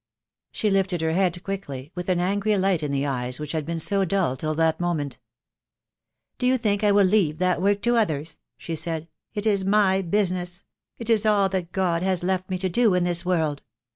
She lifted her head quickly, with an angry light in the eyes which had been so dull till that moment. "Do you think I will leave that work to others?" she said. "It is my business. It is all that God has left me to do in this world.